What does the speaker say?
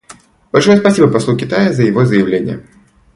Большое спасибо послу Китая за его заявление.